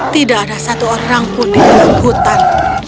tidak ada satu orang pun di dalam hutan